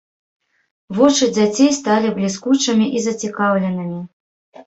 Вочы дзяцей сталі бліскучымі і зацікаўленымі.